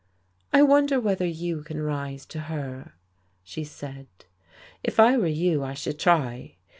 "I wonder whether you can rise to her," she said. "If I were you, I should try.